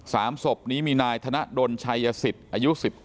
สามศพนี้มีนายธดลชัยศิตอายุ๑๙